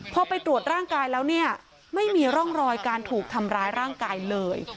พอไปตรวจร่างกายแล้วเนี่ยไม่มีร่องรอยการถูกทำร้ายร่างกายเลย